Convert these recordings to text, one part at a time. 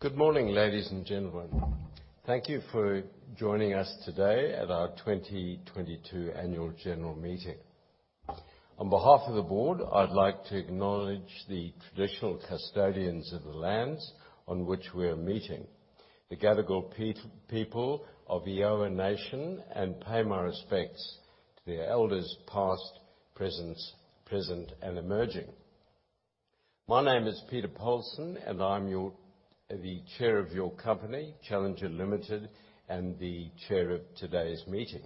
Good morning, ladies and gentlemen. Thank you for joining us today at our 2022 annual general meeting. On behalf of the board, I'd like to acknowledge the traditional custodians of the lands on which we're meeting, the Gadigal people of the Eora Nation, and pay my respects to the elders past, present, and emerging. My name is Peter Polson, and I'm your the chair of your company, Challenger Limited, and the chair of today's meeting.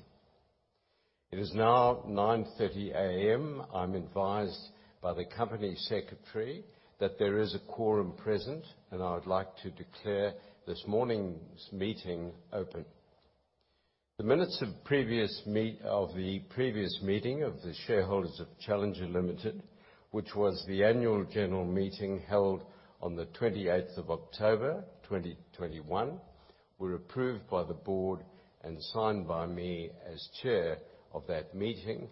It is now 9:30 A.M. I'm advised by the company secretary that there is a quorum present, and I would like to declare this morning's meeting open. The minutes of the previous meeting of the shareholders of Challenger Limited, which was the annual general meeting held on the October 28th, 2021, were approved by the board and signed by me as Chair of that meeting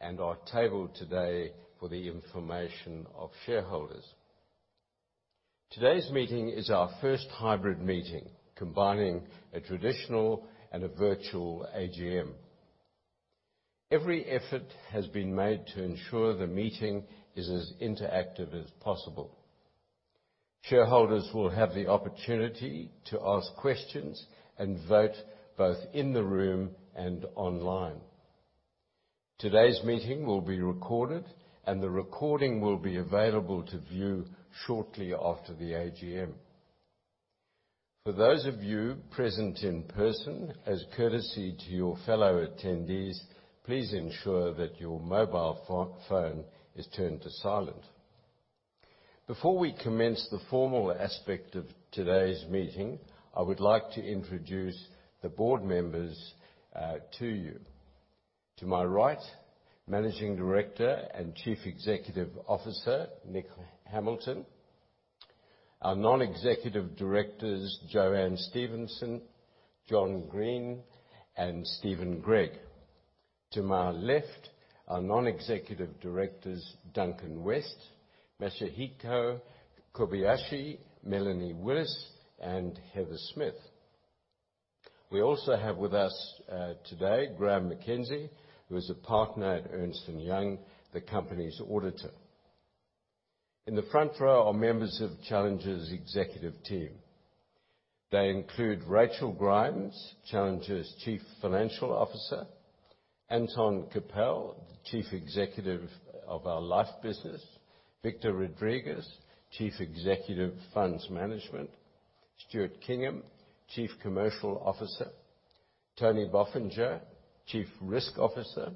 and are tabled today for the information of shareholders. Today's meeting is our first hybrid meeting, combining a traditional and a virtual Annual General Meeting. Every effort has been made to ensure the meeting is as interactive as possible. Shareholders will have the opportunity to ask questions and vote both in the room and online. Today's meeting will be recorded, and the recording will be available to view shortly after the Annual General Meeting. For those of you present in person, as a courtesy to your fellow attendees, please ensure that your mobile phone is turned to silent. Before we commence the formal aspect of today's meeting, I would like to introduce the board members, to you. To my right, Managing Director and Chief Executive Officer, Nick Hamilton, our Non-Executive Directors, Joanne Stephenson, John Green, and Steven Gregg. To my left, our Non-Executive Directors, Duncan West, Masahiko Kobayashi, Melanie Willis, and Heather Smith. We also have with us, today Graeme McKenzie, who is a partner at Ernst & Young, the company's auditor. In the front row are members of Challenger's executive team. They include Rachel Grimes, Challenger's Chief Financial Officer, Anton Kapel, the Chief Executive of our Life Business, Victor Rodriguez, Chief Executive Funds Management, Stuart Kingham, Chief Commercial Officer, Tony Bofinger, Chief Risk Officer,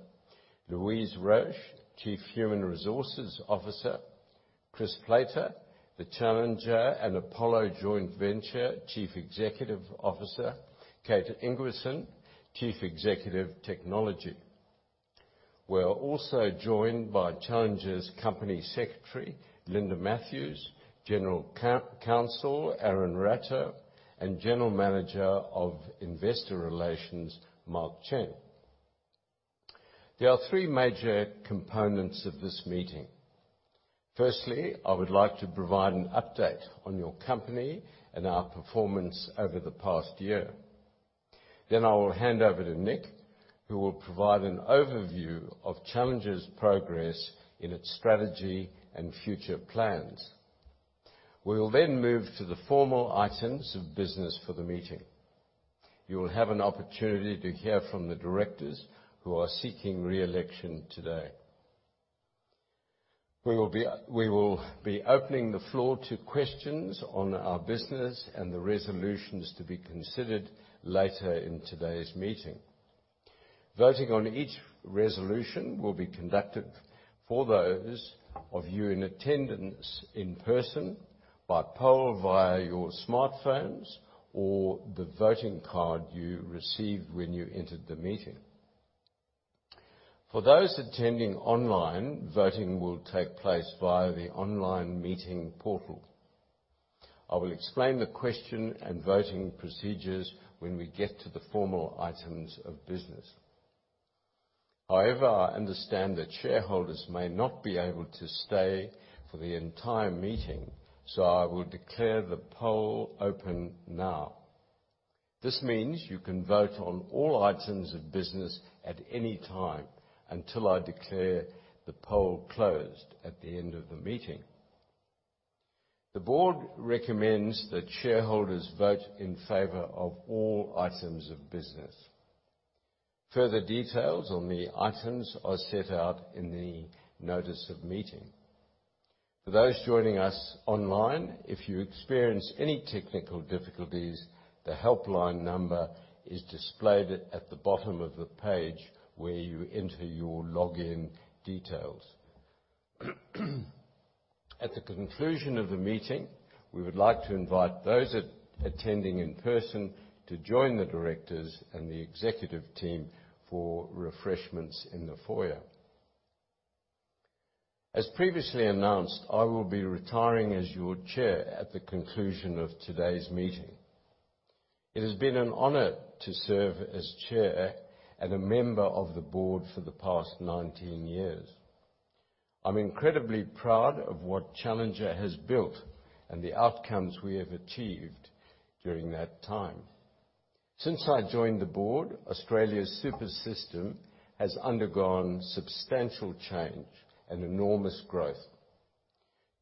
Louise Roche, Chief Human Resources Officer, Chris Plater, the Challenger and Apollo Joint Venture Chief Executive Officer, Kate Ingwersen, Chief Executive Technology. We're also joined by Challenger's Company Secretary, Linda Matthews, General Counsel, Aron Rattew, and General Manager of Investor Relations, Mark Chen. There are three major components of this meeting. Firstly, I would like to provide an update on your company and our performance over the past year. Then I will hand over to Nick, who will provide an overview of Challenger's progress in its strategy and future plans. We will then move to the formal items of business for the meeting. You will have an opportunity to hear from the directors who are seeking re-election today. We will be opening the floor to questions on our business and the resolutions to be considered later in today's meeting. Voting on each resolution will be conducted for those of you in attendance in person by poll via your smartphones or the voting card you received when you entered the meeting. For those attending online, voting will take place via the online meeting portal. I will explain the question and voting procedures when we get to the formal items of business. However, I understand that shareholders may not be able to stay for the entire meeting, so I will declare the poll open now. This means you can vote on all items of business at any time until I declare the poll closed at the end of the meeting. The board recommends that shareholders vote in favor of all items of business. Further details on the items are set out in the notice of meeting. For those joining us online, if you experience any technical difficulties, the helpline number is displayed at the bottom of the page where you enter your login details. At the conclusion of the meeting, we would like to invite those attending in person to join the directors and the executive team for refreshments in the foyer. As previously announced, I will be retiring as your chair at the conclusion of today's meeting. It has been an honor to serve as chair and a member of the board for the past 19 years. I'm incredibly proud of what Challenger has built and the outcomes we have achieved during that time. Since I joined the board, Australia's super system has undergone substantial change and enormous growth.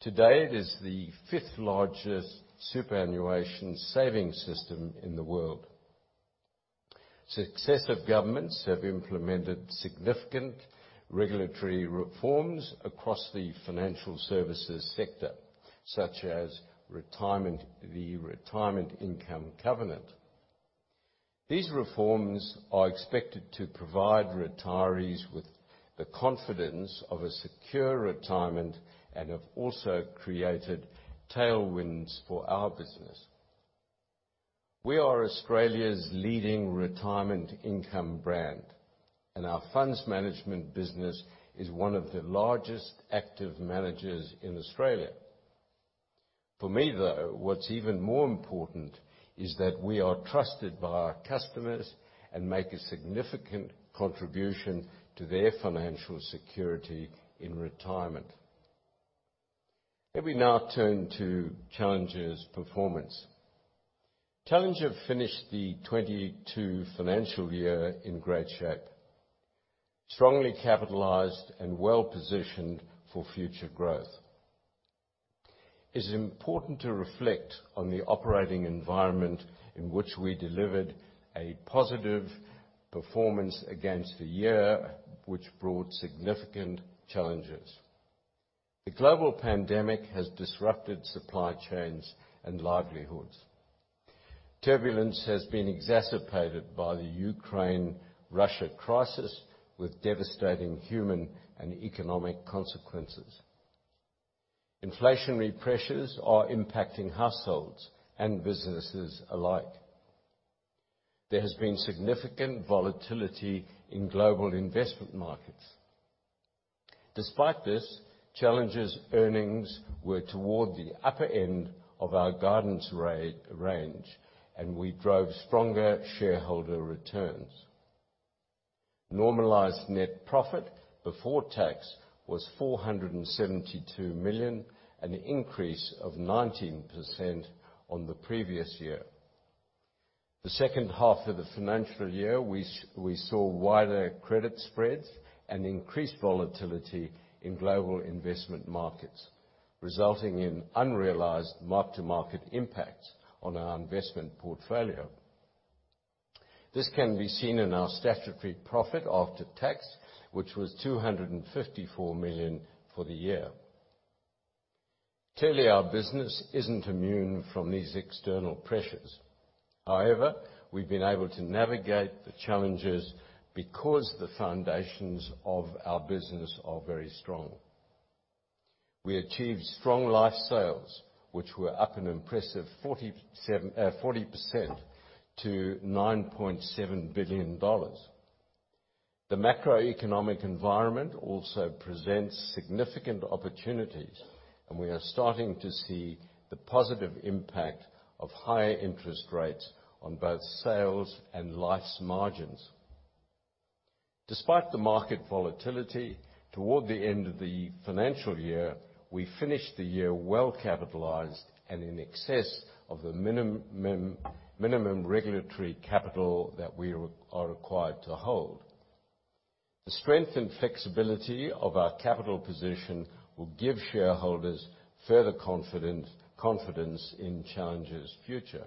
Today, it is the fifth largest superannuation savings system in the world. Successive governments have implemented significant regulatory reforms across the financial services sector, such as retirement, the Retirement Income Covenant. These reforms are expected to provide retirees with the confidence of a secure retirement and have also created tailwinds for our business. We are Australia's leading retirement income brand, and our funds management business is one of the largest active managers in Australia. For me, though, what's even more important is that we are trusted by our customers and make a significant contribution to their financial security in retirement. Let me now turn to Challenger's performance. Challenger finished the 2022 financial year in great shape, strongly capitalized and well-positioned for future growth. It is important to reflect on the operating environment in which we delivered a positive performance against a year which brought significant challenges. The global pandemic has disrupted supply chains and livelihoods. Turbulence has been exacerbated by the Ukraine-Russia crisis, with devastating human and economic consequences. Inflationary pressures are impacting households and businesses alike. There has been significant volatility in global investment markets. Despite this, Challenger's earnings were toward the upper end of our guidance range, and we drove stronger shareholder returns. Normalized net profit before tax was 472 million, an increase of 19% on the previous year. The second half of the financial year, we saw wider credit spreads and increased volatility in global investment markets, resulting in unrealized mark-to-market impacts on our investment portfolio. This can be seen in our statutory profit after tax, which was 254 million for the year. Clearly, our business isn't immune from these external pressures. However, we've been able to navigate the challenges because the foundations of our business are very strong. We achieved strong life sales, which were up an impressive 40% to AUD 9.7 billion. The macroeconomic environment also presents significant opportunities, and we are starting to see the positive impact of higher interest rates on both sales and life's margins. Despite the market volatility toward the end of the financial year, we finished the year well capitalized and in excess of the minimum regulatory capital that we are required to hold. The strength and flexibility of our capital position will give shareholders further confidence in Challenger's future.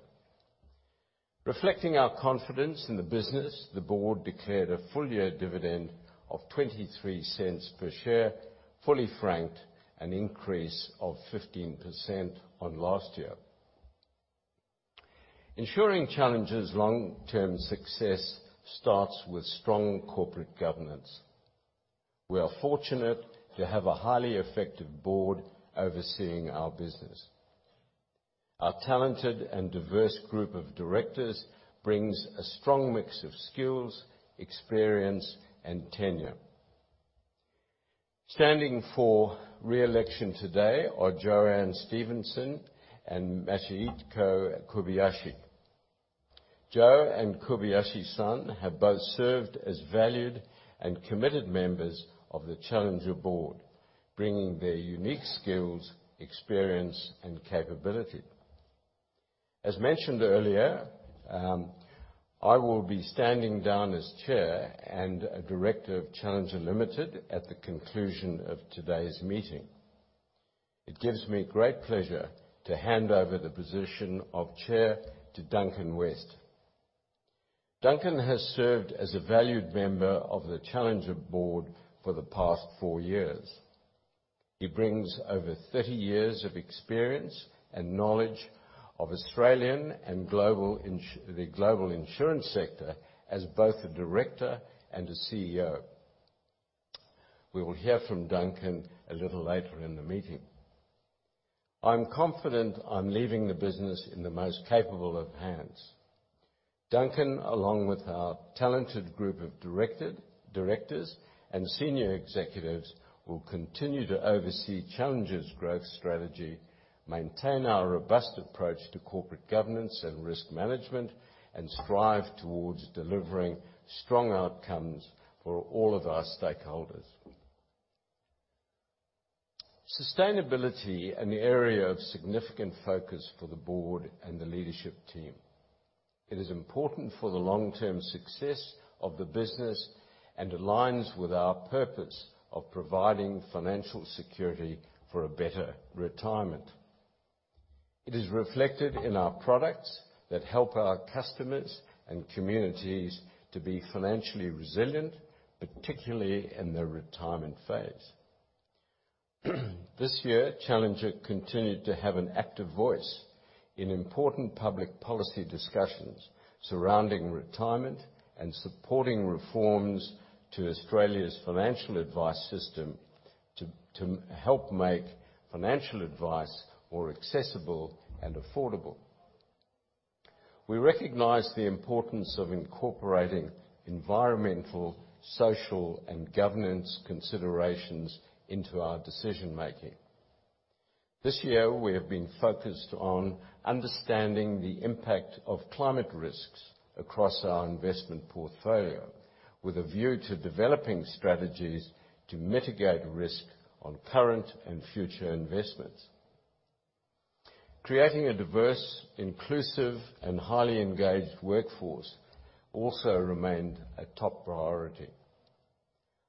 Reflecting our confidence in the business, the board declared a full-year dividend of 0.23 per share, fully franked, an increase of 15% on last year. Ensuring Challenger's long-term success starts with strong corporate governance. We are fortunate to have a highly effective board overseeing our business. Our talented and diverse group of directors brings a strong mix of skills, experience, and tenure. Standing for re-election today are JoAnne Stephenson and Masahiko Kobayashi. JoAnne and Kobayashi-san have both served as valued and committed members of the Challenger board, bringing their unique skills, experience, and capability. As mentioned earlier, I will be standing down as chair and a director of Challenger Limited at the conclusion of today's meeting. It gives me great pleasure to hand over the position of chair to Duncan West. Duncan has served as a valued member of the Challenger board for the past four years. He brings over 30 years of experience and knowledge of the global insurance sector as both a director and a Chief Executive Officer. We will hear from Duncan a little later in the meeting. I'm confident I'm leaving the business in the most capable of hands. Duncan, along with our talented group of directors and senior executives, will continue to oversee Challenger's growth strategy, maintain our robust approach to corporate governance and risk management, and strive towards delivering strong outcomes for all of our stakeholders. Sustainability, an area of significant focus for the board and the leadership team. It is important for the long-term success of the business and aligns with our purpose of providing financial security for a better retirement. It is reflected in our products that help our customers and communities to be financially resilient, particularly in their retirement phase. This year, Challenger continued to have an active voice in important public policy discussions surrounding retirement and supporting reforms to Australia's financial advice system to help make financial advice more accessible and affordable. We recognize the importance of incorporating environmental, social, and governance considerations into our decision-making. This year, we have been focused on understanding the impact of climate risks across our investment portfolio with a view to developing strategies to mitigate risk on current and future investments. Creating a diverse, inclusive and highly engaged workforce also remained a top priority.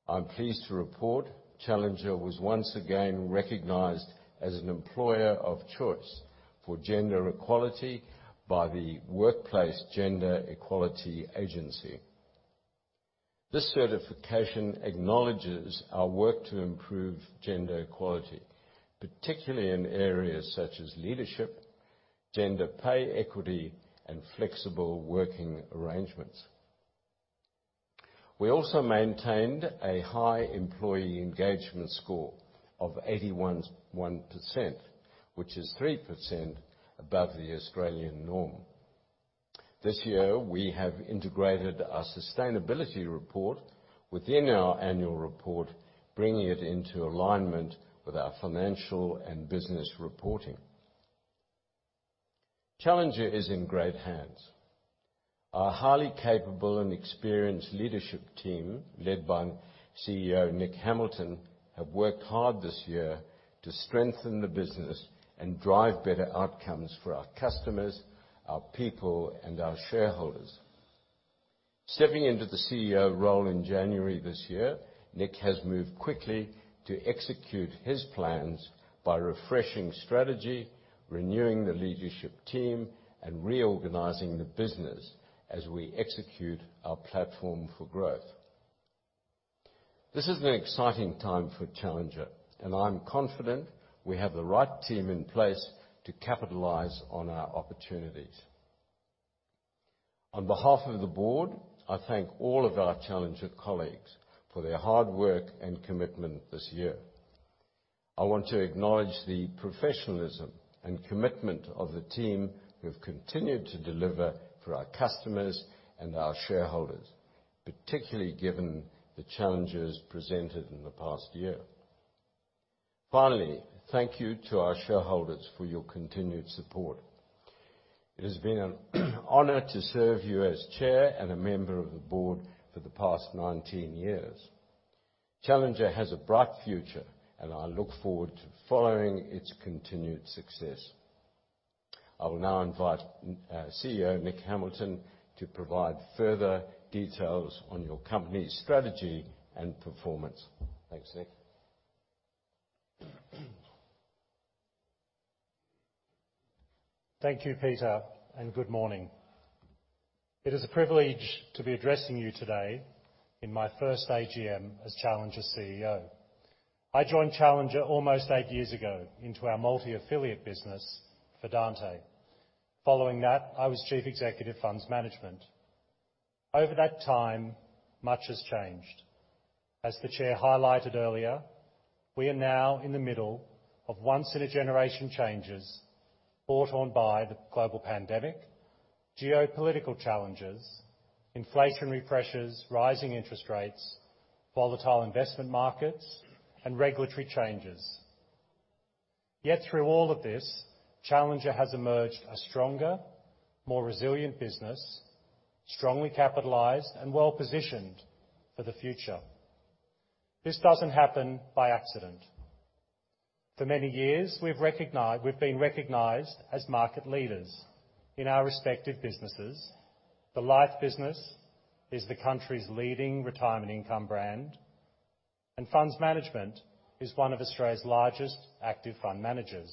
I'm pleased to report Challenger was once again recognized as an employer of choice for gender equality by the Workplace Gender Equality Agency. This certification acknowledges our work to improve gender equality, particularly in areas such as leadership, gender pay equity, and flexible working arrangements. We also maintained a high employee engagement score of 81.1%, which is 3% above the Australian norm. This year, we have integrated our sustainability report within our annual report, bringing it into alignment with our financial and business reporting. Challenger is in great hands. Our highly capable and experienced leadership team, led by Chief Executive Officer Nick Hamilton, have worked hard this year to strengthen the business and drive better outcomes for our customers, our people, and our shareholders. Stepping into the Chief Executive Officer role in January this year, Nick has moved quickly to execute his plans by refreshing strategy, renewing the leadership team, and reorganizing the business as we execute our platform for growth. This is an exciting time for Challenger, and I'm confident we have the right team in place to capitalize on our opportunities. On behalf of the board, I thank all of our Challenger colleagues for their hard work and commitment this year. I want to acknowledge the professionalism and commitment of the team who've continued to deliver for our customers and our shareholders, particularly given the challenges presented in the past year. Finally, thank you to our shareholders for your continued support. It has been an honor to serve you as chair and a member of the board for the past 19 years. Challenger has a bright future, and I look forward to following its continued success. I will now invite Chief Executive Officer Nick Hamilton to provide further details on your company's strategy and performance. Thanks, Nick. Thank you, Peter, and good morning. It is a privilege to be addressing you today in my first Annual General Meeting as Challenger's Chief Executive Officer. I joined Challenger almost eight years ago into our multi-affiliate business, Fidante. Following that, I was Chief Executive Funds Management. Over that time, much has changed. As the chair highlighted earlier, we are now in the middle of once-in-a-generation changes brought on by the global pandemic, geopolitical challenges, inflationary pressures, rising interest rates, volatile investment markets, and regulatory changes. Yet through all of this, Challenger has emerged a stronger, more resilient business, strongly capitalized and well-positioned for the future. This doesn't happen by accident. For many years, we've been recognized as market leaders in our respective businesses. The life business is the country's leading retirement income brand, and Funds Management is one of Australia's largest active fund managers.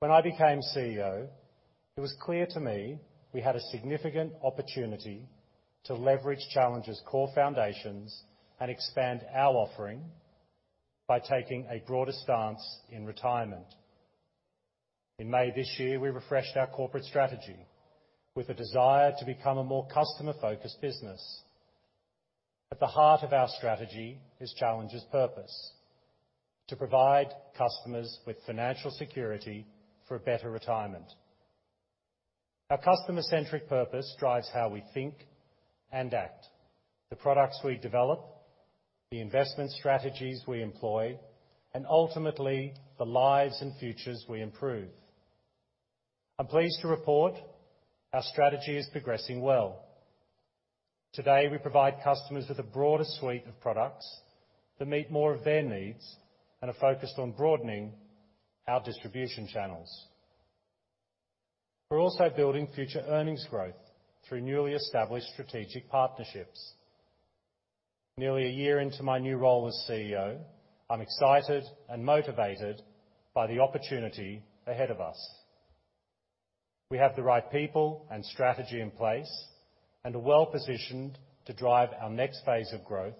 When I became Chief Executive Officer, it was clear to me we had a significant opportunity to leverage Challenger's core foundations and expand our offering by taking a broader stance in retirement. In May this year, we refreshed our corporate strategy with a desire to become a more customer-focused business. At the heart of our strategy is Challenger's purpose, to provide customers with financial security for a better retirement. Our customer-centric purpose drives how we think and act, the products we develop, the investment strategies we employ, and ultimately, the lives and futures we improve. I'm pleased to report our strategy is progressing well. Today, we provide customers with a broader suite of products that meet more of their needs and are focused on broadening our distribution channels. We're also building future earnings growth through newly established strategic partnerships. Nearly a year into my new role as Chief Executive Officer, I'm excited and motivated by the opportunity ahead of us. We have the right people and strategy in place and are well-positioned to drive our next phase of growth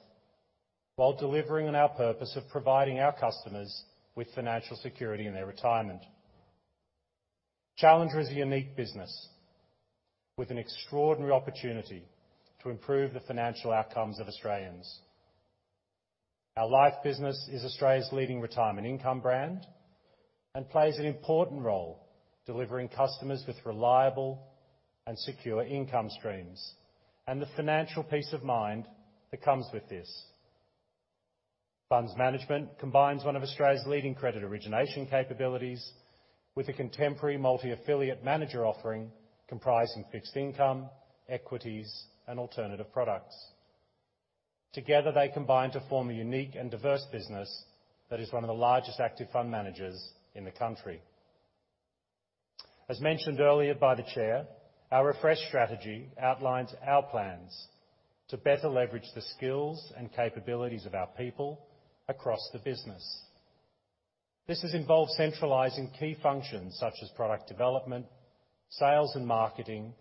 while delivering on our purpose of providing our customers with financial security in their retirement. Challenger is a unique business with an extraordinary opportunity to improve the financial outcomes of Australians. Our life business is Australia's leading retirement income brand and plays an important role delivering customers with reliable and secure income streams, and the financial peace of mind that comes with this. Funds Management combines one of Australia's leading credit origination capabilities with a contemporary multi-affiliate manager offering comprising fixed income, equities and alternative products. Together, they combine to form a unique and diverse business that is one of the largest active fund managers in the country. As mentioned earlier by the chair, our refresh strategy outlines our plans to better leverage the skills and capabilities of our people across the business. This has involved centralizing key functions such as product development, sales, and marketing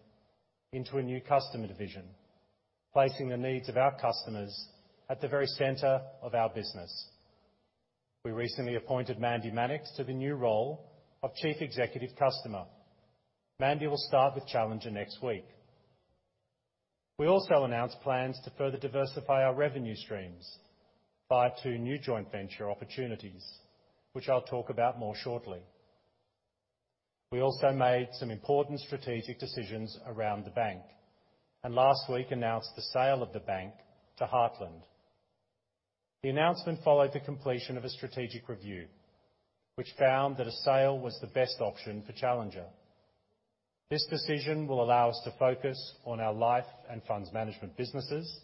into a new customer division, placing the needs of our customers at the very center of our business. We recently appointed Mandy Mannix to the new role of Chief Executive, Customer. Mandy will start with Challenger next week. We also announced plans to further diversify our revenue streams via two new joint venture opportunities, which I'll talk about more shortly. We also made some important strategic decisions around the bank, and last week announced the sale of the bank to Heartland. The announcement followed the completion of a strategic review, which found that a sale was the best option for Challenger. This decision will allow us to focus on our life and Funds Management businesses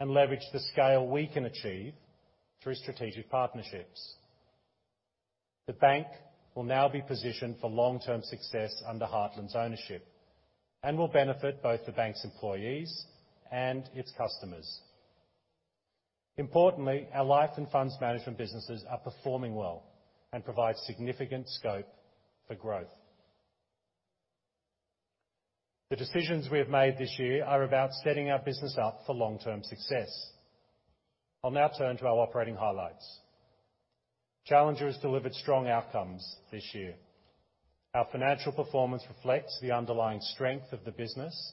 and leverage the scale we can achieve through strategic partnerships. The bank will now be positioned for long-term success under Heartland's ownership and will benefit both the bank's employees and its customers. Importantly, our life and Funds Management businesses are performing well and provide significant scope for growth. The decisions we have made this year are about setting our business up for long-term success. I'll now turn to our operating highlights. Challenger has delivered strong outcomes this year. Our financial performance reflects the underlying strength of the business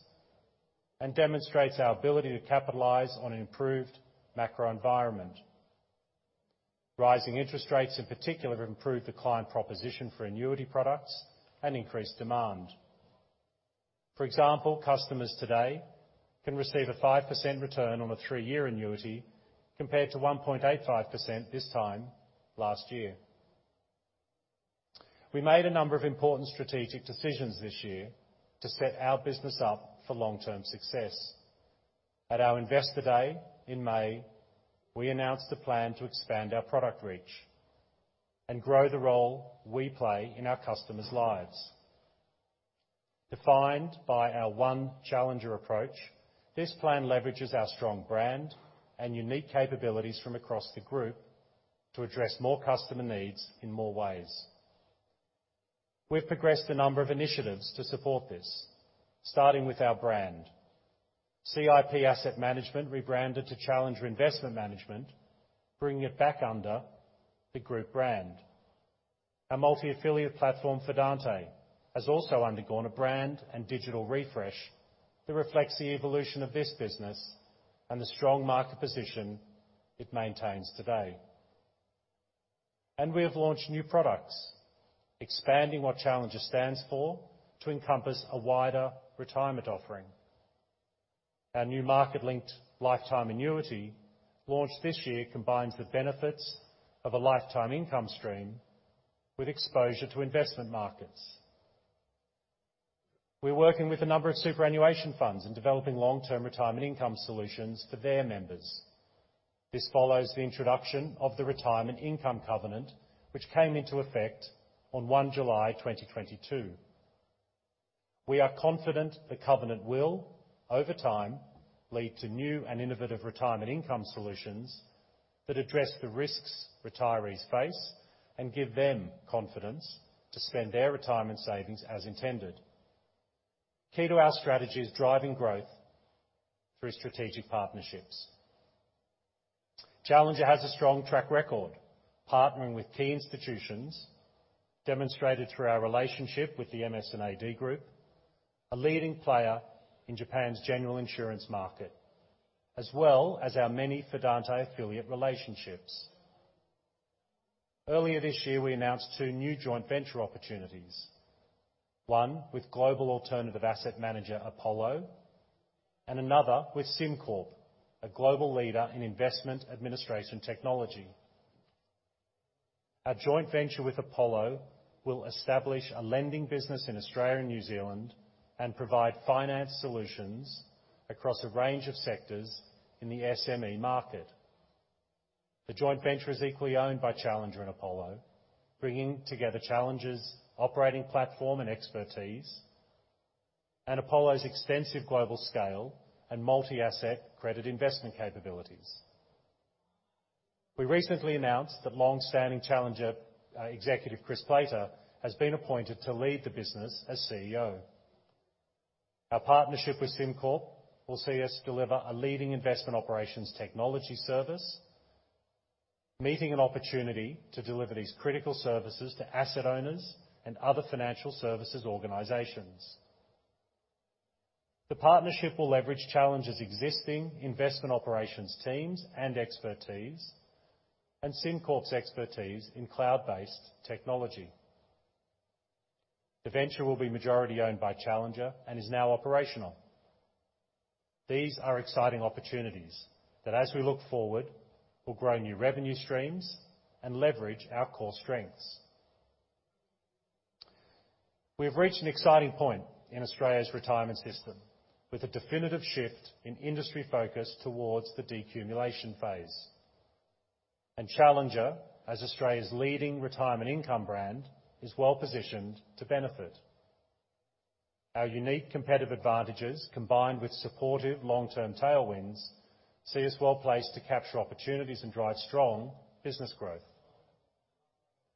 and demonstrates our ability to capitalize on an improved macro environment. Rising interest rates, in particular, have improved the client proposition for annuity products and increased demand. For example, customers today can receive a 5% return on a three-year annuity compared to 1.85% this time last year. We made a number of important strategic decisions this year to set our business up for long-term success. At our Investor Day in May, we announced the plan to expand our product reach and grow the role we play in our customers' lives. Defined by our One Challenger approach, this plan leverages our strong brand and unique capabilities from across the group to address more customer needs in more ways. We've progressed a number of initiatives to support this, starting with our brand. CIP Asset Management rebranded to Challenger Investment Management, bringing it back under the group brand. Our multi-affiliate platform, Fidante, has also undergone a brand and digital refresh that reflects the evolution of this business and the strong market position it maintains today. We have launched new products, expanding what Challenger stands for to encompass a wider retirement offering. Our new market-linked lifetime annuity, launched this year, combines the benefits of a lifetime income stream with exposure to investment markets. We're working with a number of superannuation funds in developing long-term retirement income solutions for their members. This follows the introduction of the Retirement Income Covenant, which came into effect on July 1, 2022. We are confident the covenant will, over time, lead to new and innovative retirement income solutions that address the risks retirees face and give them confidence to spend their retirement savings as intended. Key to our strategy is driving growth through strategic partnerships. Challenger has a strong track record partnering with key institutions demonstrated through our relationship with the MS&AD Group, a leading player in Japan's general insurance market, as well as our many Fidante affiliate relationships. Earlier this year, we announced two new joint venture opportunities, one with global alternative asset manager Apollo, and another with SimCorp, a global leader in investment administration technology. Our joint venture with Apollo will establish a lending business in Australia and New Zealand and provide finance solutions across a range of sectors in the SME market. The joint venture is equally owned by Challenger and Apollo, bringing together Challenger's operating platform and expertise and Apollo's extensive global scale and multi-asset credit investment capabilities. We recently announced that long-standing Challenger executive Chris Plater has been appointed to lead the business as Chief Executive Officer. Our partnership with SimCorp will see us deliver a leading investment operations technology service, meeting an opportunity to deliver these critical services to asset owners and other financial services organizations. The partnership will leverage Challenger's existing investment operations teams and expertise and SimCorp's expertise in cloud-based technology. The venture will be majority-owned by Challenger and is now operational. These are exciting opportunities that, as we look forward, will grow new revenue streams and leverage our core strengths. We have reached an exciting point in Australia's retirement system with a definitive shift in industry focus towards the decumulation phase. Challenger, as Australia's leading retirement income brand, is well-positioned to benefit. Our unique competitive advantages, combined with supportive long-term tailwinds, see us well-placed to capture opportunities and drive strong business growth.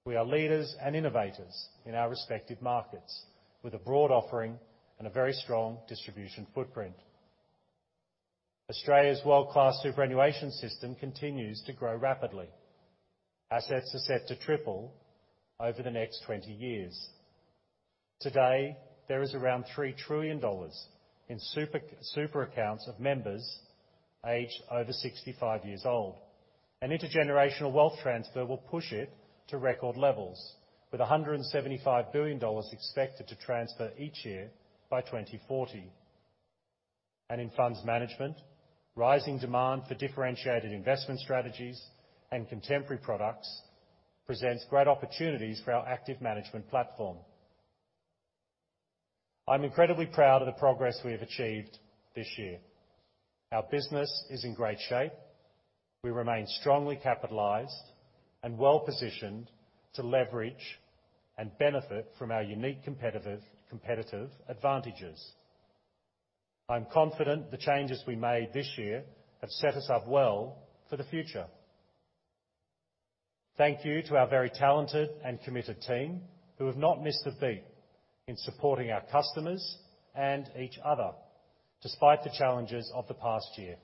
We are leaders and innovators in our respective markets with a broad offering and a very strong distribution footprint. Australia's world-class superannuation system continues to grow rapidly. Assets are set to triple over the next 20 years. Today, there is around 3 trillion dollars in super accounts of members aged over 65 years old. An intergenerational wealth transfer will push it to record levels with 175 billion dollars expected to transfer each year by 2040. In funds management, rising demand for differentiated investment strategies and contemporary products presents great opportunities for our active management platform. I'm incredibly proud of the progress we have achieved this year. Our business is in great shape. We remain strongly capitalized and well-positioned to leverage and benefit from our unique competitive advantages. I'm confident the changes we made this year have set us up well for the future. Thank you to our very talented and committed team who have not missed a beat in supporting our customers and each other despite the challenges of the past year.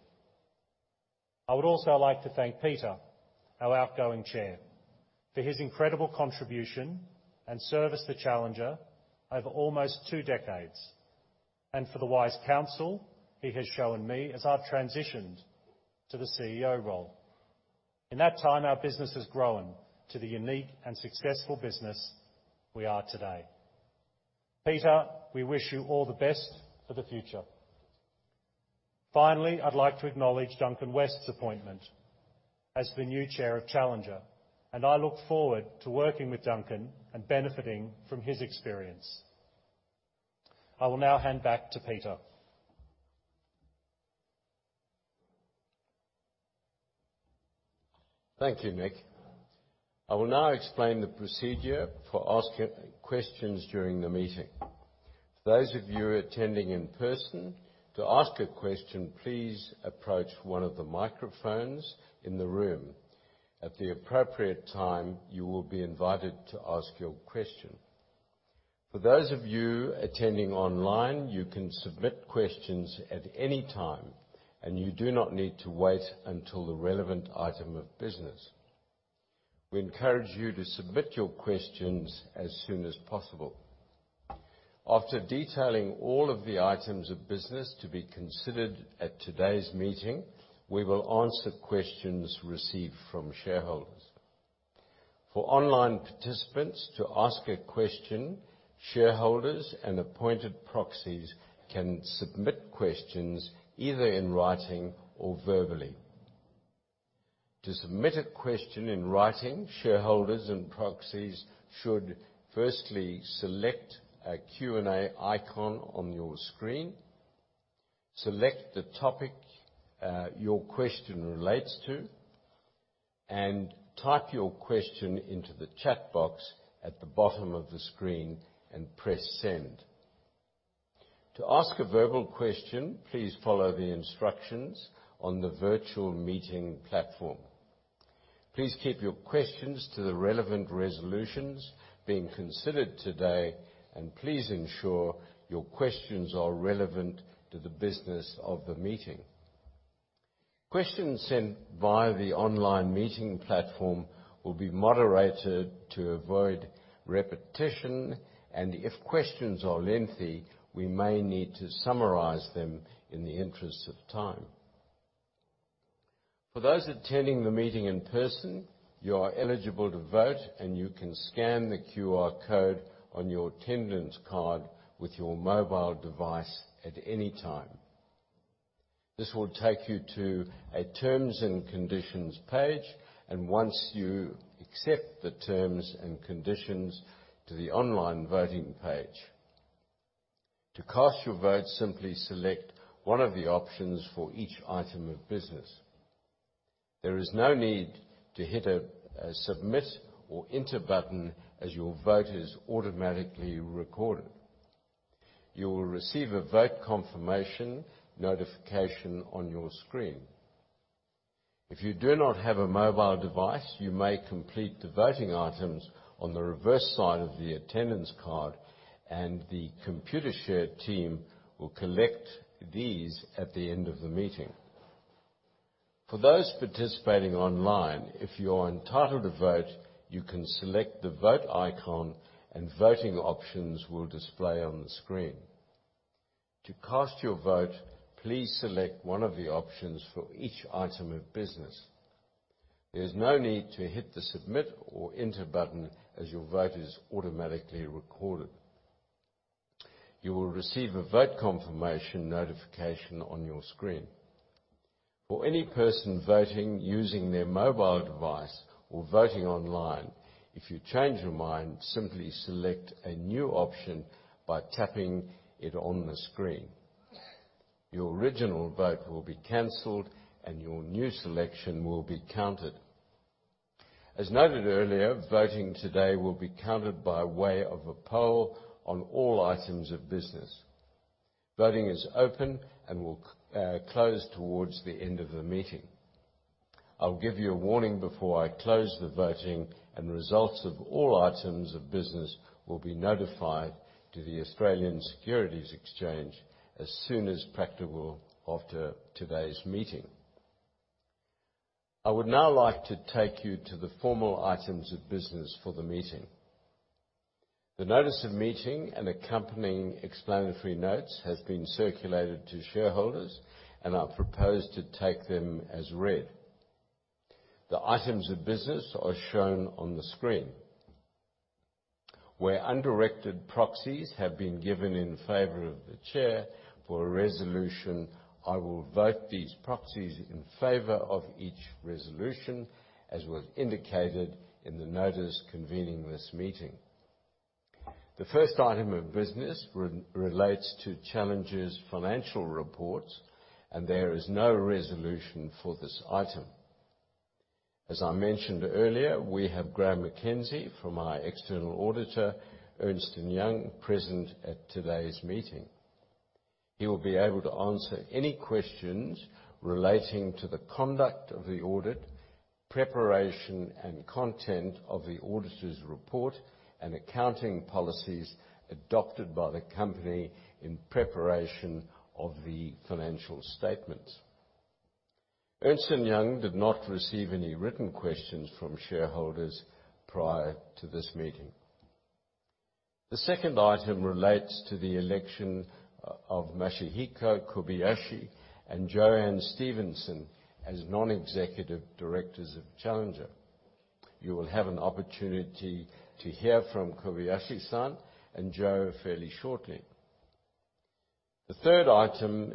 I would also like to thank Peter, our outgoing chair, for his incredible contribution and service to Challenger over almost two decades, and for the wise counsel he has shown me as I've transitioned to the Chief Executive Officer role. In that time, our business has grown to the unique and successful business we are today. Peter, we wish you all the best for the future. Finally, I'd like to acknowledge Duncan West's appointment as the new chair of Challenger, and I look forward to working with Duncan and benefiting from his experience. I will now hand back to Peter. Thank you, Nick. I will now explain the procedure for asking questions during the meeting. For those of you attending in person, to ask a question, please approach one of the microphones in the room. At the appropriate time, you will be invited to ask your question. For those of you attending online, you can submit questions at any time, and you do not need to wait until the relevant item of business. We encourage you to submit your questions as soon as possible. After detailing all of the items of business to be considered at today's meeting, we will answer questions received from shareholders. For online participants, to ask a question, shareholders and appointed proxies can submit questions either in writing or verbally. To submit a question in writing, shareholders and proxies should firstly select a Q&A icon on your screen, select the topic your question relates to, and type your question into the chat box at the bottom of the screen and press Send. To ask a verbal question, please follow the instructions on the virtual meeting platform. Please keep your questions to the relevant resolutions being considered today, and please ensure your questions are relevant to the business of the meeting. Questions sent via the online meeting platform will be moderated to avoid repetition and if questions are lengthy, we may need to summarize them in the interest of time. For those attending the meeting in person, you are eligible to vote, and you can scan the QR code on your attendance card with your mobile device at any time. This will take you to a terms and conditions page, and once you accept the terms and conditions to the online voting page. To cast your vote, simply select one of the options for each item of business. There is no need to hit a Submit or Enter button as your vote is automatically recorded. You will receive a vote confirmation notification on your screen. If you do not have a mobile device, you may complete the voting items on the reverse side of the attendance card and the Computershare team will collect these at the end of the meeting. For those participating online, if you are entitled to vote, you can select the Vote icon and voting options will display on the screen. To cast your vote, please select one of the options for each item of business. There's no need to hit the Submit or Enter button as your vote is automatically recorded. You will receive a vote confirmation notification on your screen. For any person voting using their mobile device or voting online, if you change your mind, simply select a new option by tapping it on the screen. Your original vote will be canceled and your new selection will be counted. As noted earlier, voting today will be counted by way of a poll on all items of business. Voting is open and will close towards the end of the meeting. I'll give you a warning before I close the voting, and the results of all items of business will be notified to the Australian Securities Exchange as soon as practical after today's meeting. I would now like to take you to the formal items of business for the meeting. The notice of meeting and accompanying explanatory notes has been circulated to shareholders and I propose to take them as read. The items of business are shown on the screen. Where undirected proxies have been given in favor of the chair for a resolution, I will vote these proxies in favor of each resolution as was indicated in the notice convening this meeting. The first item of business relates to Challenger's financial report, and there is no resolution for this item. As I mentioned earlier, we have Graeme McKenzie from our external auditor, Ernst & Young, present at today's meeting. He will be able to answer any questions relating to the conduct of the audit, preparation and content of the auditor's report, and accounting policies adopted by the company in preparation of the financial statements. Ernst & Young did not receive any written questions from shareholders prior to this meeting. The second item relates to the election of Masahiko Kobayashi and JoAnne Stephenson as non-executive directors of Challenger. You will have an opportunity to hear from Kobayashi-san and Jo fairly shortly. The third item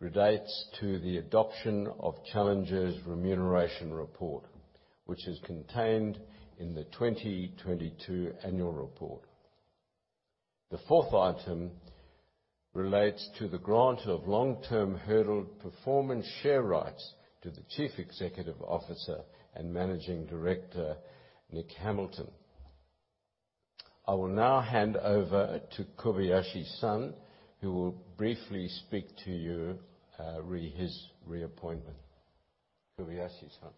relates to the adoption of Challenger's remuneration report, which is contained in the 2022 annual report. The fourth item relates to the grant of long-term hurdle performance share rights to the Chief Executive Officer and Managing Director, Nick Hamilton. I will now hand over to Kobayashi-san, who will briefly speak to you re his reappointment. Kobayashi-san.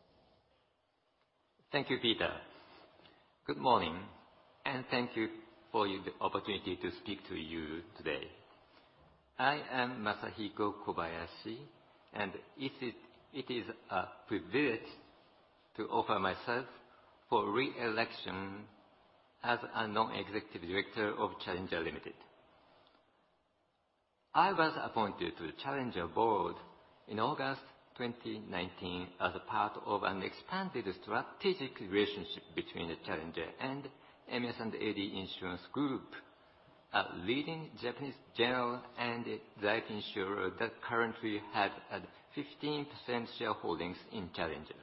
Thank you, Peter. Good morning, and thank you for the opportunity to speak to you today. I am Masahiko Kobayashi, and it is a privilege to offer myself for re-election as a non-executive director of Challenger Limited. I was appointed to the Challenger board in August 2019 as a part of an expanded strategic relationship between the Challenger and MS&AD Insurance Group, a leading Japanese general and life insurer that currently have a 15% shareholdings in Challenger.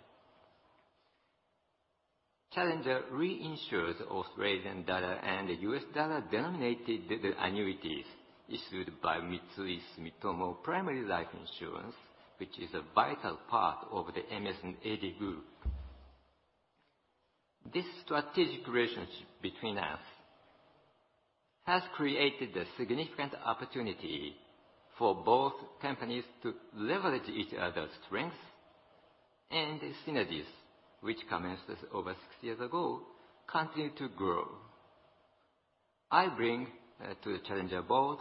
Challenger reinsures Australian dollar and US dollar-denominated annuities issued by Mitsui Sumitomo Primary Life Insurance, which is a vital part of the MS&AD Group. This strategic relationship between us has created a significant opportunity for both companies to leverage each other's strengths, and the synergies, which commenced over six years ago, continue to grow. I bring to the Challenger board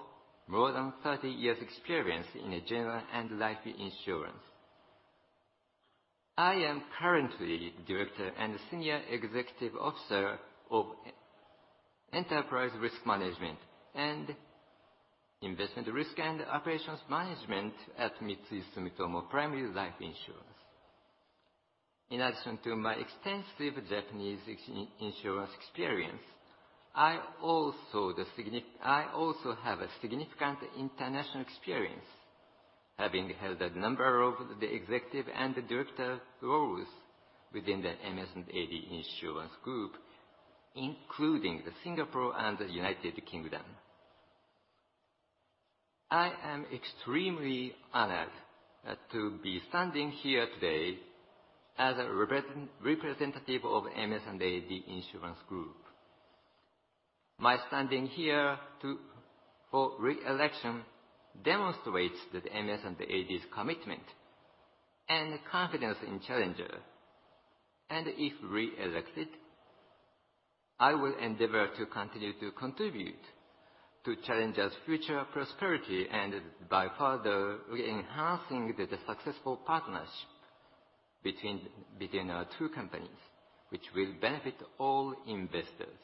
more than 30 years experience in general and life insurance. I am currently Director and Senior Executive Officer of Enterprise Risk Management and Investment Risk and Operations Management at Mitsui Sumitomo Primary Life Insurance. In addition to my extensive Japanese insurance experience, I also have a significant international experience, having held a number of the executive and the director roles within the MS&AD Insurance Group, including the Singapore and the United Kingdom. I am extremely honored to be standing here today as a representative of MS&AD Insurance Group. My standing here to, for reelection demonstrates that MS&AD's commitment and confidence in Challenger. If reelected, I will endeavor to continue to contribute to Challenger's future prosperity and by further enhancing the successful partnership between our two companies, which will benefit all investors.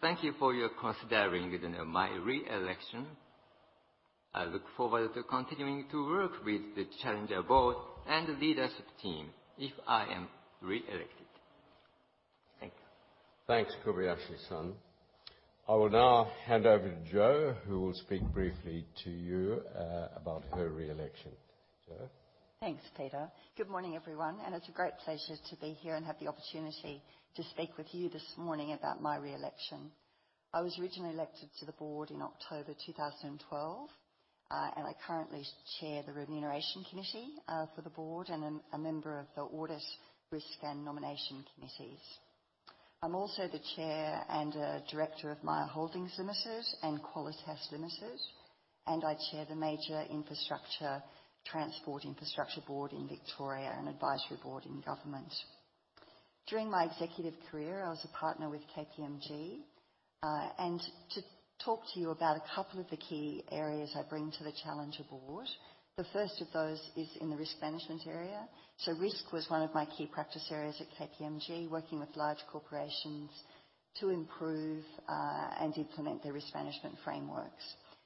Thank you for considering my reelection. I look forward to continuing to work with the Challenger board and leadership team if I am reelected. Thank you. Thanks, Kobayashi-san. I will now hand over to Jo, who will speak briefly to you, about her reelection. Jo. Thanks, Peter. Good morning, everyone, and it's a great pleasure to be here and have the opportunity to speak with you this morning about my reelection. I was originally elected to the board in October 2012, and I currently chair the Remuneration Committee for the board and am a member of the Audit, Risk, and Nomination Committees. I'm also the chair and a director of Myer Holdings Limited and Qualitas Limited, and I chair the Major Transport Infrastructure Board in Victoria and Advisory Board in government. During my executive career, I was a partner with KPMG, and to talk to you about a couple of the key areas I bring to the Challenger board. The first of those is in the risk management area. Risk was one of my key practice areas at KPMG, working with large corporations to improve and implement their risk management frameworks.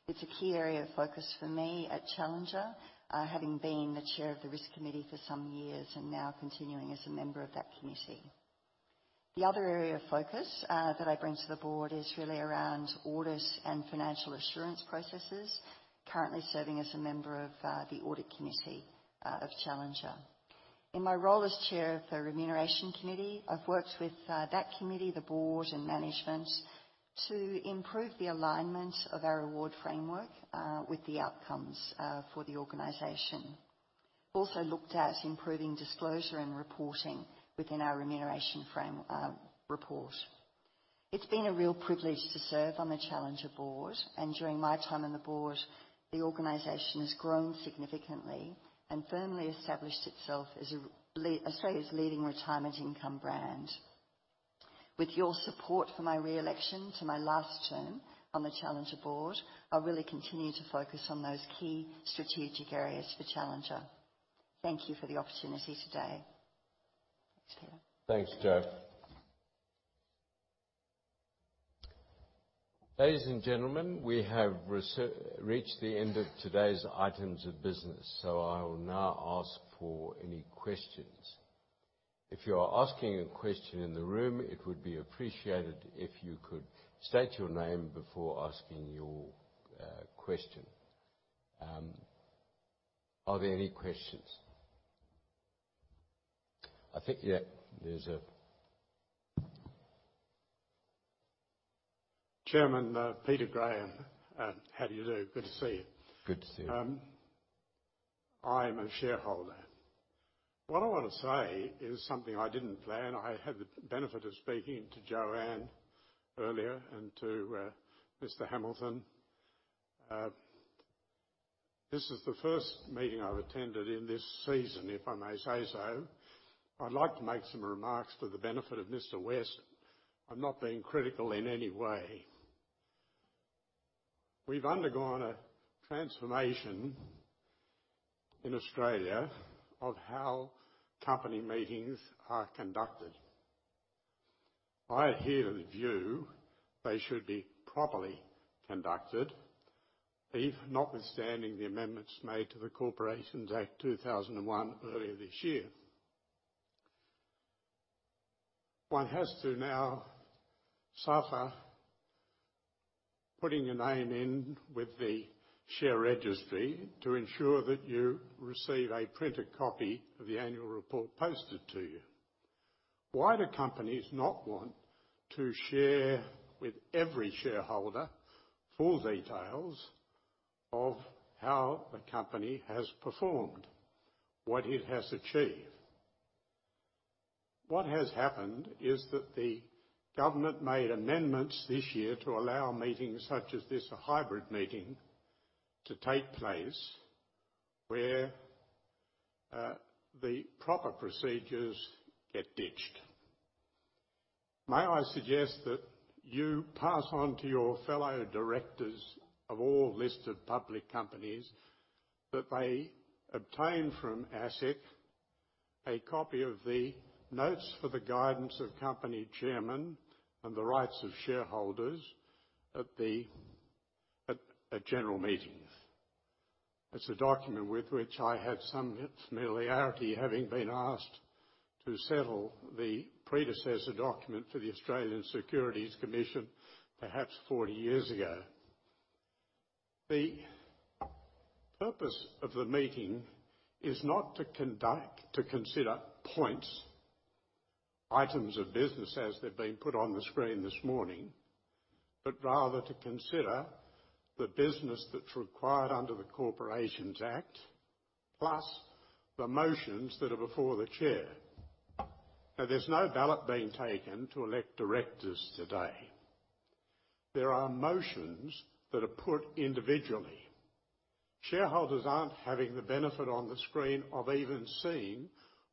It's a key area of focus for me at Challenger, having been the chair of the Risk Committee for some years and now continuing as a member of that committee. The other area of focus that I bring to the board is really around audits and financial assurance processes, currently serving as a member of the Audit Committee of Challenger. In my role as chair of the Remuneration Committee, I've worked with that committee, the board and management to improve the alignment of our reward framework with the outcomes for the organization. Also looked at improving disclosure and reporting within our remuneration framework report. It's been a real privilege to serve on the Challenger board, and during my time on the board, the organization has grown significantly and firmly established itself as Australia's leading retirement income brand. With your support for my reelection to my last term on the Challenger board, I'll really continue to focus on those key strategic areas for Challenger. Thank you for the opportunity today. Thanks, Peter. Thanks, Jo. Ladies and gentlemen, we have reached the end of today's items of business, so I will now ask for any questions. If you are asking a question in the room, it would be appreciated if you could state your name before asking your question. Are there any questions? I think, yeah, there's a. Chairman, Peter Polson. How do you do? Good to see you. Good to see you. I'm a shareholder. What I wanna say is something I didn't plan. I had the benefit of speaking to Joanne earlier and to Mr. Hamilton. This is the first meeting I've attended in this season, if I may say so. I'd like to make some remarks for the benefit of Mr. West. I'm not being critical in any way. We've undergone a transformation in Australia of how company meetings are conducted. I adhere to the view they should be properly conducted, if notwithstanding the amendments made to the Corporations Act 2001 earlier this year. One has to now suffer putting your name in with the share registry to ensure that you receive a printed copy of the annual report posted to you. Why do companies not want to share with every shareholder full details of how the company has performed, what it has achieved. What has happened is that the government made amendments this year to allow meetings such as this, a hybrid meeting, to take place where the proper procedures get ditched. May I suggest that you pass on to your fellow directors of all listed public companies that they obtain from ASIC a copy of the notes for the guidance of company chairman and the rights of shareholders at a general meeting. It's a document with which I have some familiarity, having been asked to settle the predecessor document for the Australian Securities Commission, perhaps 40 years ago. The purpose of the meeting is not to consider points, items of business as they've been put on the screen this morning, but rather to consider the business that's required under the Corporations Act, plus the motions that are before the Chair. Now, there's no ballot being taken to elect directors today. There are motions that are put individually. Shareholders aren't having the benefit on the screen of even seeing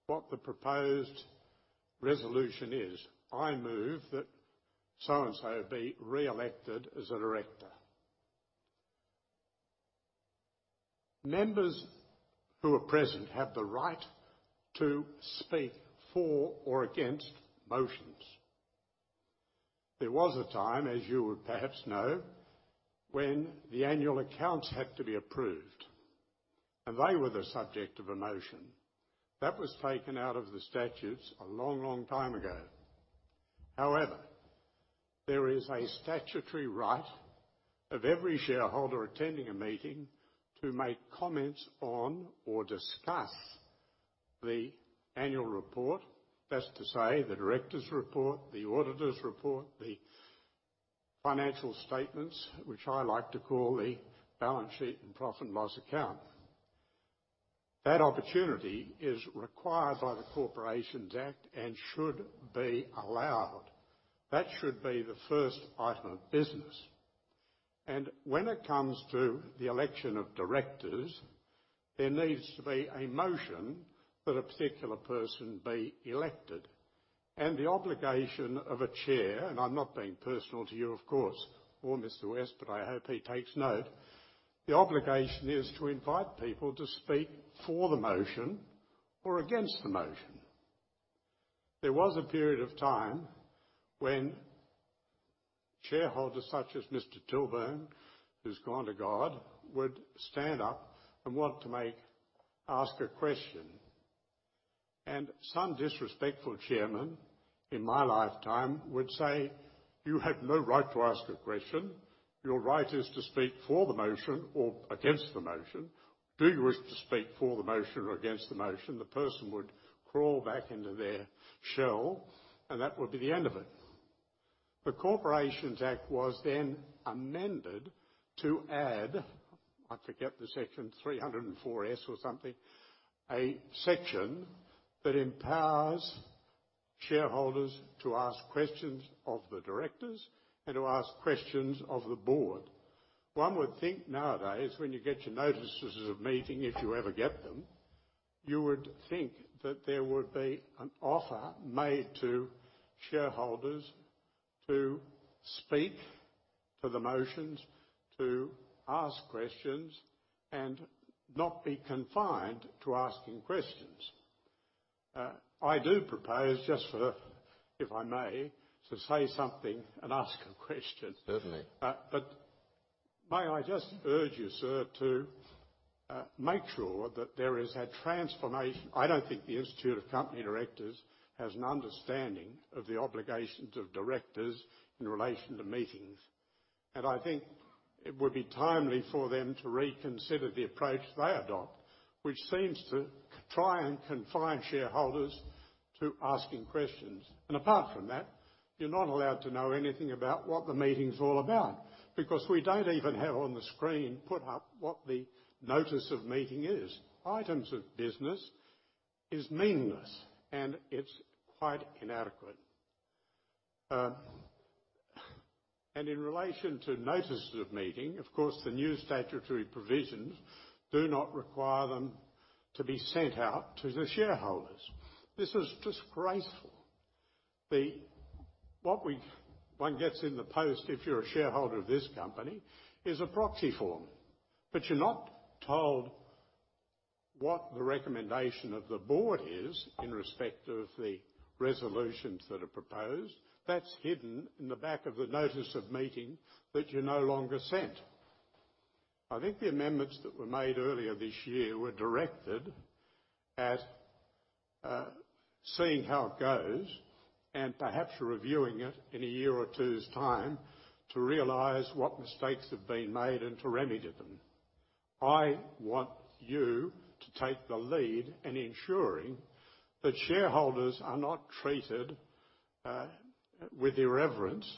what the proposed resolution is. I move that so and so be reelected as a director. Members who are present have the right to speak for or against motions. There was a time, as you would perhaps know, when the annual accounts had to be approved, and they were the subject of a motion. That was taken out of the statutes a long, long time ago. However, there is a statutory right of every shareholder attending a meeting to make comments on or discuss the annual report. That's to say, the director's report, the auditor's report, the financial statements, which I like to call the balance sheet and profit and loss account. That opportunity is required by the Corporations Act and should be allowed. That should be the first item of business. When it comes to the election of directors, there needs to be a motion that a particular person be elected. The obligation of a chair, and I'm not being personal to you, of course, or Mr. West, but I hope he takes note. The obligation is to invite people to speak for the motion or against the motion. There was a period of time when shareholders such as Mr. Tilburn, who's gone to God, would stand up and want to ask a question, and some disrespectful chairman in my lifetime would say, "You have no right to ask a question. Your right is to speak for the motion or against the motion. Do you wish to speak for the motion or against the motion?" The person would crawl back into their shell, and that would be the end of it. The Corporations Act was then amended to add, I forget the section, 304 S or something, a section that empowers shareholders to ask questions of the directors and to ask questions of the board. One would think nowadays when you get your notices of meeting, if you ever get them, you would think that there would be an offer made to shareholders to speak to the motions, to ask questions, and not be confined to asking questions. I do propose, if I may, to say something and ask a question. Certainly. May I just urge you, sir, to make sure that there is a transformation. I don't think the Australian Institute of Company Directors has an understanding of the obligations of directors in relation to meetings, and I think it would be timely for them to reconsider the approach they adopt, which seems to try and confine shareholders to asking questions. Apart from that, you're not allowed to know anything about what the meeting's all about, because we don't even have on the screen put up what the notice of meeting is. Items of business is meaningless, and it's quite inadequate. In relation to notice of meeting, of course, the new statutory provisions do not require them to be sent out to the shareholders. This is disgraceful. What one gets in the post, if you're a shareholder of this company, is a proxy form, but you're not told what the recommendation of the board is in respect of the resolutions that are proposed. That's hidden in the back of the notice of meeting that you're no longer sent. I think the amendments that were made earlier this year were directed at seeing how it goes and perhaps reviewing it in a year or two's time to realize what mistakes have been made and to remedy them. I want you to take the lead in ensuring that shareholders are not treated with irreverence,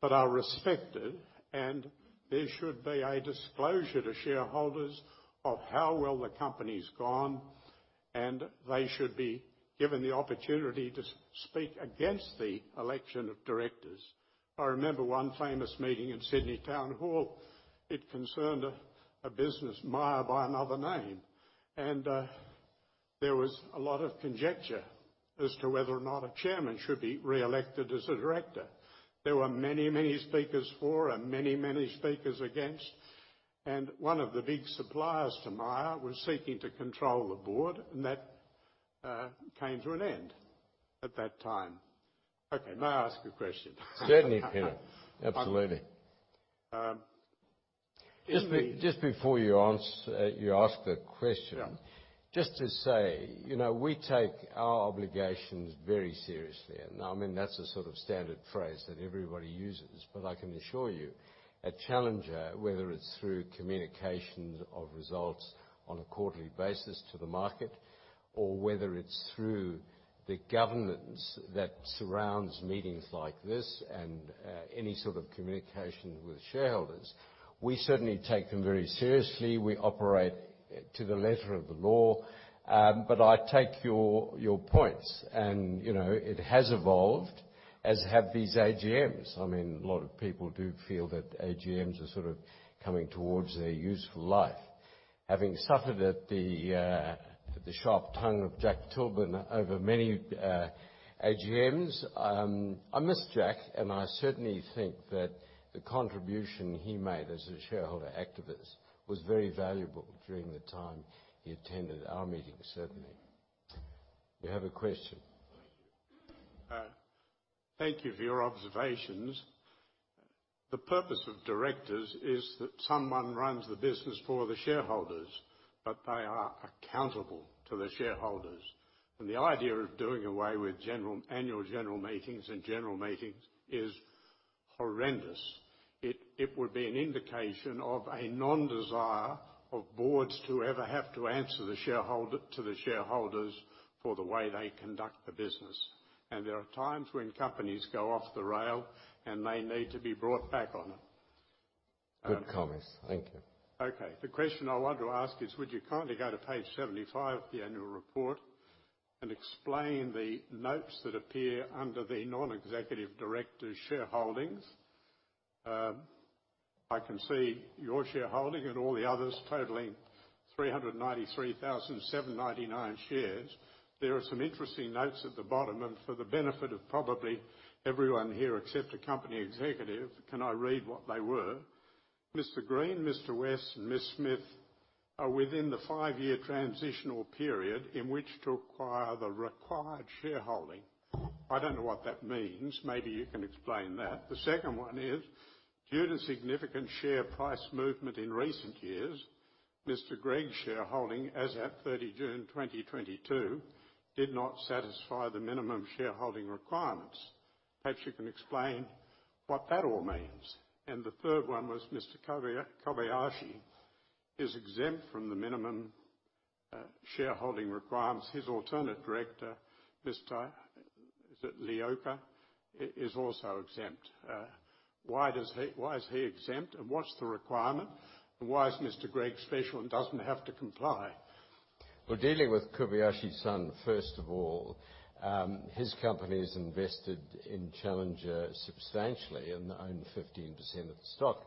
but are respected, and there should be a disclosure to shareholders of how well the company's gone, and they should be given the opportunity to speak against the election of directors. I remember one famous meeting in Sydney Town Hall. It concerned a business, Myer, by another name. There was a lot of conjecture as to whether or not a chairman should be re-elected as a director. There were many, many speakers for and many, many speakers against. One of the big suppliers to Myer was seeking to control the board, and that came to an end at that time. Okay, may I ask a question? Certainly, Ken. Absolutely. Um, in the- Just before you ask the question. Yeah just to say, you know, we take our obligations very seriously, and I mean, that's the sort of standard phrase that everybody uses. I can assure you, at Challenger, whether it's through communications of results on a quarterly basis to the market or whether it's through the governance that surrounds meetings like this and any sort of communication with shareholders, we certainly take them very seriously. We operate to the letter of the law. I take your points and, you know, it has evolved, as have these Annual General Meetings. I mean, a lot of people do feel that Annual General Meetings are sort of coming towards their useful life. Having suffered at the sharp tongue of Jack Tilburn over many Annual General Meetings, I miss Jack, and I certainly think that the contribution he made as a shareholder activist was very valuable during the time he attended our meetings, certainly. You have a question. Thank you. Thank you for your observations. The purpose of directors is that someone runs the business for the shareholders, but they are accountable to the shareholders. The idea of doing away with annual general meetings and general meetings is horrendous. It would be an indication of a non-desire of boards to ever have to answer to the shareholders for the way they conduct the business. There are times when companies go off the rail, and they need to be brought back on it. Good comments. Thank you. Okay. The question I want to ask is, would you kindly go to Page 75 of the annual report and explain the notes that appear under the non-executive directors' shareholdings? I can see your shareholding and all the others totaling 393,799 shares. There are some interesting notes at the bottom. For the benefit of probably everyone here except a company executive, can I read what they were? Mr. Green, Mr. West, and Ms. Smith are within the five-year transitional period in which to acquire the required shareholding. I don't know what that means. Maybe you can explain that. The second one is, "Due to significant share price movement in recent years, Mr. Gregg's shareholding as at June 30th, 2022, did not satisfy the minimum shareholding requirements." Perhaps you can explain what that all means. The third one was Mr. Kobayashi is exempt from the minimum shareholding requirements. His alternate director, Mr. Iioka, is also exempt. Why is he exempt, and what's the requirement? Why is Mr. Gregg special and doesn't have to comply? Well, dealing with Masahiko Kobayashi, first of all, his company is invested in Challenger substantially and own 15% of the stock.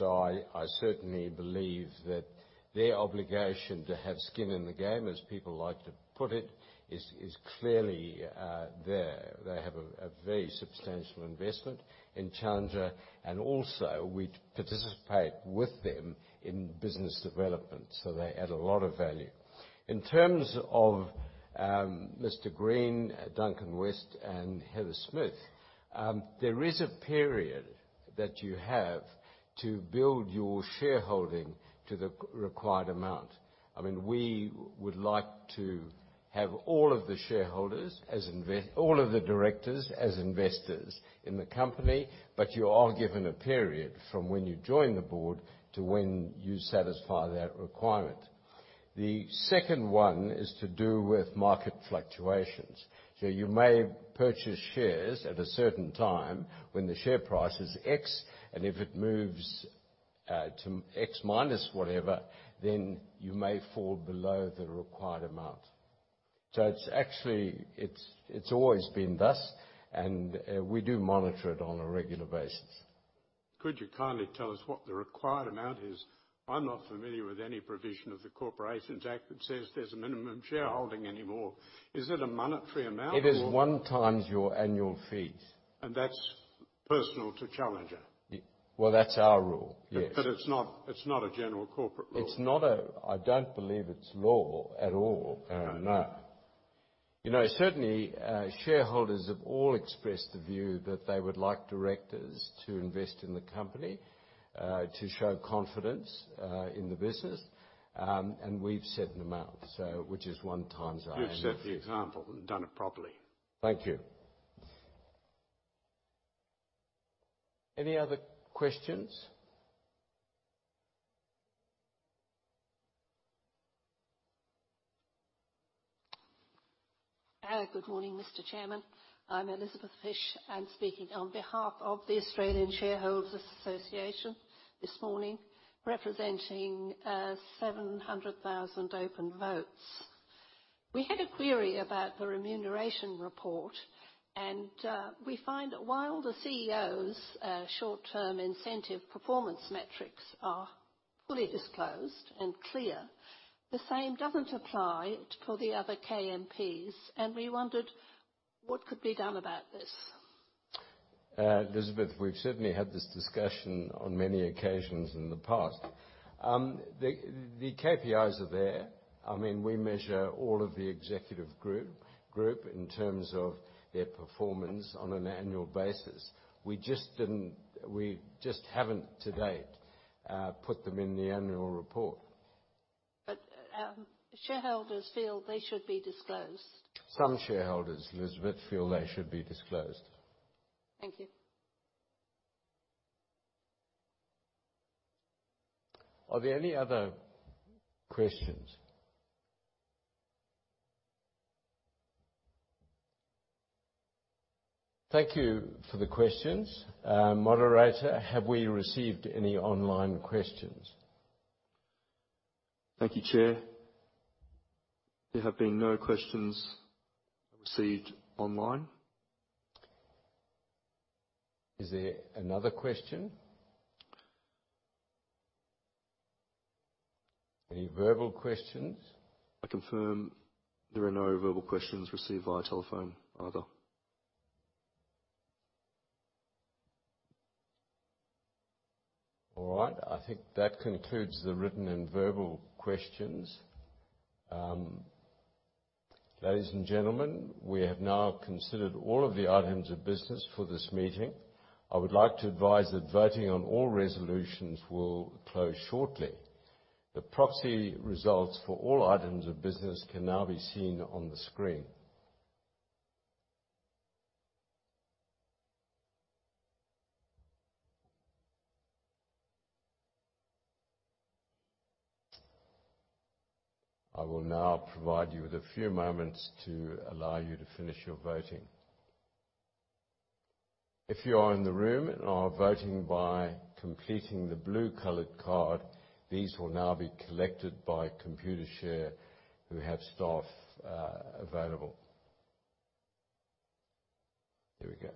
I certainly believe that their obligation to have skin in the game, as people like to put it, is clearly there. They have a very substantial investment in Challenger, and also we participate with them in business development, so they add a lot of value. In terms of Mr. Green, Duncan West, and Heather Smith, there is a period that you have to build your shareholding to the required amount. I mean, we would like to have all of the directors as investors in the company, but you are given a period from when you join the board to when you satisfy that requirement. The second one is to do with market fluctuations. You may purchase shares at a certain time when the share price is X, and if it moves to X minus whatever, then you may fall below the required amount. It's actually always been thus, and we do monitor it on a regular basis. Could you kindly tell us what the required amount is? I'm not familiar with any provision of the Corporations Act that says there's a minimum shareholding anymore. Is it a monetary amount or? It is 1x your annual fees. That's personal to Challenger? Well, that's our rule, yes. It's not a general corporate rule. I don't believe it's law at all. No. You know, certainly, shareholders have all expressed the view that they would like directors to invest in the company, to show confidence, in the business. We've set an amount, so, which is one times our annual fees. You've set the example and done it properly. Thank you. Any other questions? Good morning, Mr. Chairman. I'm Elizabeth Fish. I'm speaking on behalf of the Australian Shareholders' Association this morning, representing 700,000 open votes. We had a query about the remuneration report, and we find while the Chief Executive Officer's short-term incentive performance metrics are fully disclosed and clear, the same doesn't apply for the other KMPs, and we wondered what could be done about this. Elizabeth, we've certainly had this discussion on many occasions in the past. The KPIs are there. I mean, we measure all of the executive group in terms of their performance on an annual basis. We just didn't. We just haven't to date put them in the annual report. Shareholders feel they should be disclosed. Some shareholders, Elizabeth, feel they should be disclosed. Thank you. Are there any other questions? Thank you for the questions. Moderator, have we received any online questions? Thank you, Chair. There have been no questions received online. Is there another question? Any verbal questions? I confirm there are no verbal questions received via telephone either. All right. I think that concludes the written and verbal questions. Ladies and gentlemen, we have now considered all of the items of business for this meeting. I would like to advise that voting on all resolutions will close shortly. The proxy results for all items of business can now be seen on the screen. I will now provide you with a few moments to allow you to finish your voting. If you are in the room and are voting by completing the blue-colored card, these will now be collected by Computershare who have staff, available. There we go.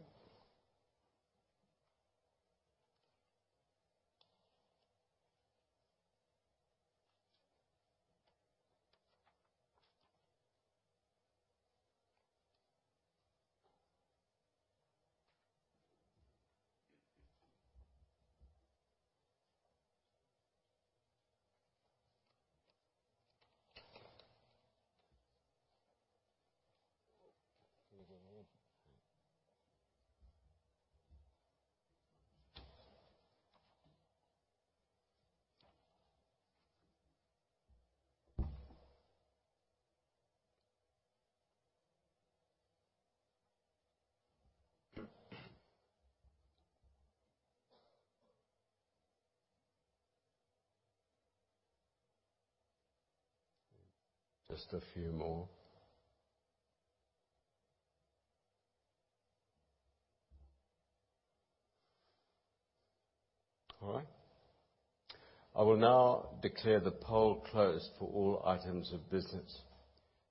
Just a few more. All right. I will now declare the poll closed for all items of business.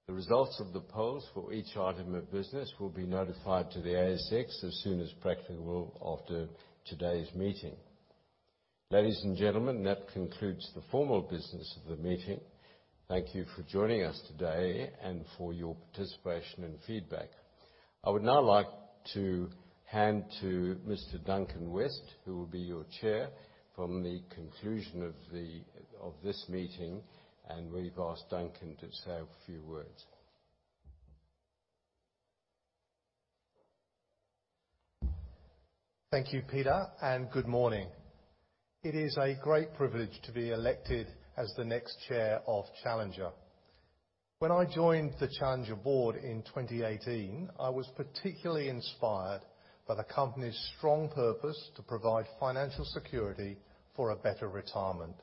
The results of the polls for each item of business will be notified to the ASX as soon as practicable after today's meeting. Ladies and gentlemen, that concludes the formal business of the meeting. Thank you for joining us today and for your participation and feedback. I would now like to hand to Mr. Duncan West, who will be your chair from the conclusion of this meeting, and we've asked Duncan to say a few words. Thank you, Peter, and good morning. It is a great privilege to be elected as the next chair of Challenger. When I joined the Challenger board in 2018, I was particularly inspired by the company's strong purpose to provide financial security for a better retirement.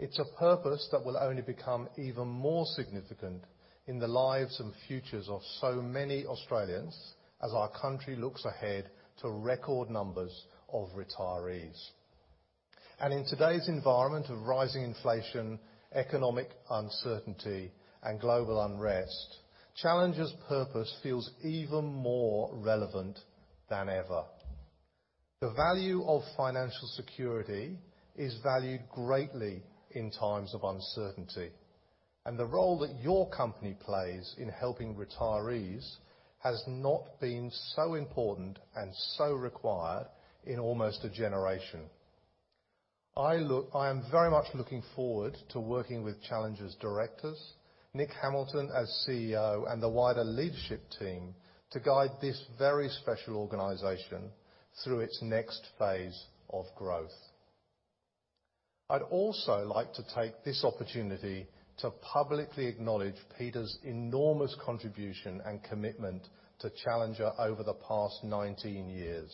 It's a purpose that will only become even more significant in the lives and futures of so many Australians as our country looks ahead to record numbers of retirees. In today's environment of rising inflation, economic uncertainty, and global unrest, Challenger's purpose feels even more relevant than ever. The value of financial security is valued greatly in times of uncertainty, and the role that your company plays in helping retirees has not been so important and so required in almost a generation. I look... I am very much looking forward to working with Challenger's directors, Nick Hamilton as Chief Executive Officer, and the wider leadership team to guide this very special organization through its next phase of growth. I'd also like to take this opportunity to publicly acknowledge Peter's enormous contribution and commitment to Challenger over the past 19 years.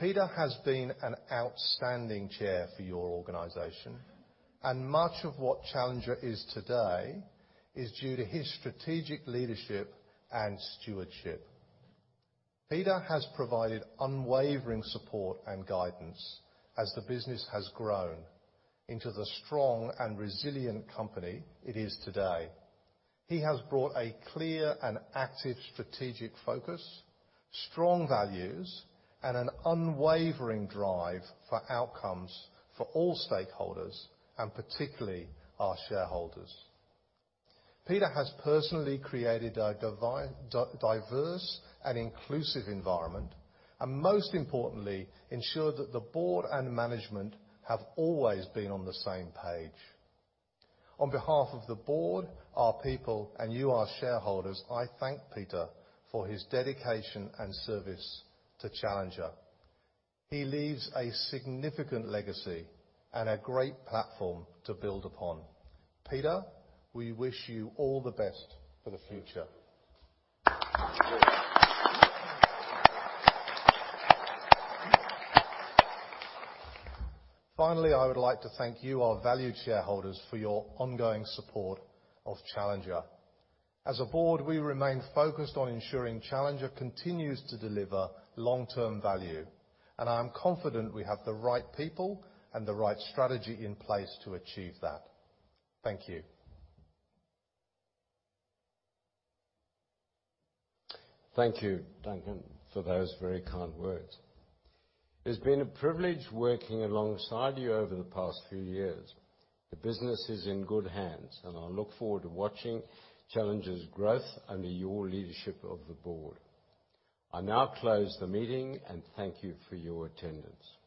Peter has been an outstanding chair for your organization, and much of what Challenger is today is due to his strategic leadership and stewardship. Peter has provided unwavering support and guidance as the business has grown into the strong and resilient company it is today. He has brought a clear and active strategic focus, strong values, and an unwavering drive for outcomes for all stakeholders, and particularly our shareholders. Peter has personally created a diverse and inclusive environment, and most importantly, ensured that the board and management have always been on the same page. On behalf of the board, our people, and you, our shareholders, I thank Peter for his dedication and service to Challenger. He leaves a significant legacy and a great platform to build upon. Peter, we wish you all the best for the future. Finally, I would like to thank you, our valued shareholders, for your ongoing support of Challenger. As a board, we remain focused on ensuring Challenger continues to deliver long-term value, and I am confident we have the right people and the right strategy in place to achieve that. Thank you. Thank you, Duncan, for those very kind words. It's been a privilege working alongside you over the past few years. The business is in good hands, and I look forward to watching Challenger's growth under your leadership of the board. I now close the meeting, and thank you for your attendance.